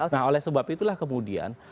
nah oleh sebab itulah kemudian